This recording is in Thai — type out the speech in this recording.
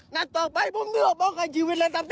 นัดต่อไปผมเลือกบอกให้ชีวิตแรงจำนิด